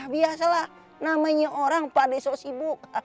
biasalah namanya orang pada so sibuk